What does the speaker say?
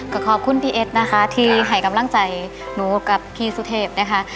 ก็ขอบคุณพี่เอ็ดนะคะที่ให้กำลังใจหนูกับพี่สุเทพนะคะ